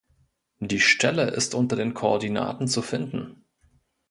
Die Stelle ist unter den Koordinaten zu finden.